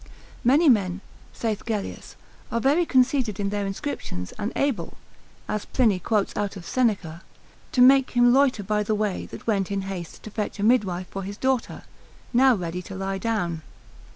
Many men, saith Gellius, are very conceited in their inscriptions, and able (as Pliny quotes out of Seneca) to make him loiter by the way that went in haste to fetch a midwife for his daughter, now ready to lie down.